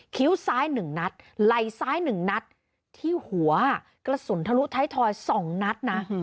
คิ้วซ้าย๑นัดไหล่ซ้าย๑นัดที่หัวกระสุนทะลุท้ายทอย๒นัดนะ